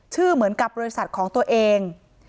เหมือนกับบริษัทของตัวเอง